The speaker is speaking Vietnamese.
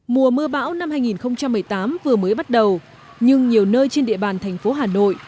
mùa mưa bão năm hai nghìn một mươi tám vừa mới bắt đầu nhưng nhiều nơi trên địa bàn thành phố hà nội